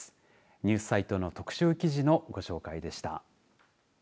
ニュースサイトの特集記事のご紹介でした。